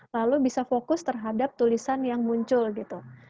lalu bisa fokus terhadap tulisan yang muncul gitu